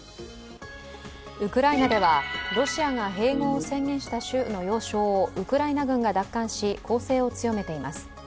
ウクライナでは、ロシアが併合を宣言した州の要衝をウクライナ軍が奪還し、攻勢を強めています。